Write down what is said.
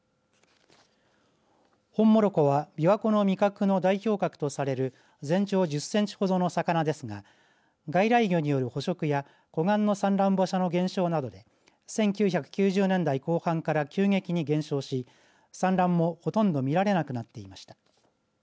ホンモロコは琵琶湖の味覚の代表格とされる全長１０センチほどの魚ですが外来魚による捕食や湖岸の産卵場所の減少などで１９９０年代後半から急激に減少し産卵もほとんど見られなくなっていました。